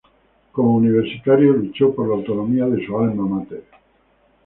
Como universitario, luchó por la autonomía de su "alma mater".